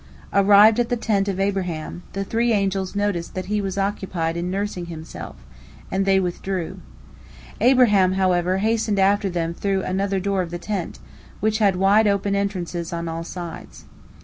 Arrived at the tent of Abraham, the three angels noticed that he was occupied in nursing himself, and they withdrew. Abraham, however, hastened after them through another door of the tent, which had wide open entrances on all sides.